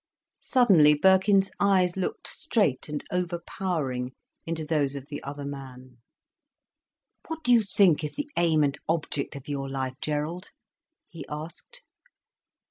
Suddenly Birkin's eyes looked straight and overpowering into those of the other man. "What do you think is the aim and object of your life, Gerald?" he asked.